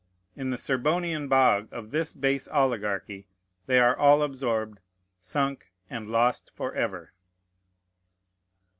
In "the Serbonian bog" of this base oligarchy they are all absorbed, sunk, and lost forever.